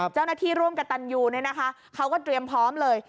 เจ้าหน้าที่ร่วมกับตันยูเขาก็เตรียมพร้อมเลย